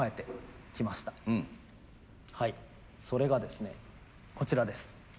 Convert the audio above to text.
それがですねこちらです。